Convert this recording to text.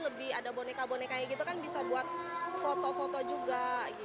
lebih ada boneka boneka kayak gitu kan bisa buat foto foto juga